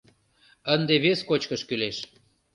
Ынде вес кочкыш кӱлеш.